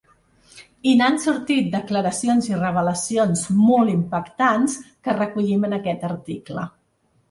I n’han sortit declaracions i revelacions molt impactants, que recollim en aquest article.